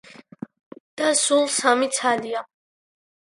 და სულ სამი ცალია.